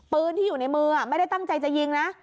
ปืนที่อยู่ในมือไม่ได้ตั้งใจจะยิงนะ